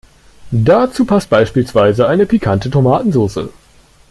Dazu passt beispielsweise eine pikante Tomatensoße.